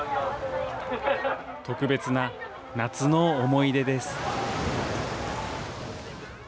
特別な夏の思い出です。